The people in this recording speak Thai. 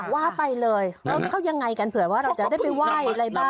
ว่าไปเลยเข้ายังไงกันเผื่อว่าเราจะได้ไปไหว้อะไรบ้าง